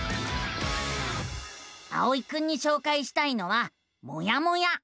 あおいくんにしょうかいしたいのは「もやモ屋」。